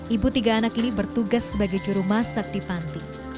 ibu tiga anak ini bertugas sebagai juru masak di panti